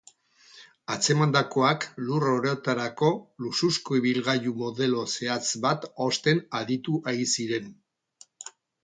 Atzemandakoak lur orotarako luxuzko ibilgailu modelo zehatz bat osten aditu ei ziren.